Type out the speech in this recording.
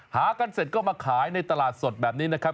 หากันเสร็จก็มาขายในตลาดสดแบบนี้นะครับ